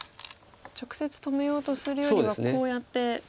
直接止めようとするよりはこうやって。